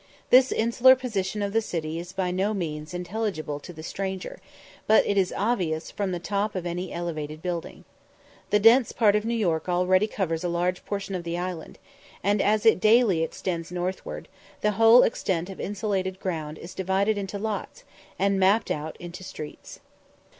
This insular position of the city is by no means intelligible to the stranger, but it is obvious from the top of any elevated building. The dense part of New York already covers a large portion of the island; and as it daily extends northward, the whole extent of insulated ground is divided into lots, and mapped out into streets.